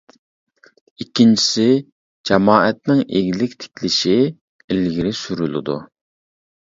ئىككىنچىسى، جامائەتنىڭ ئىگىلىك تىكلىشى ئىلگىرى سۈرۈلىدۇ.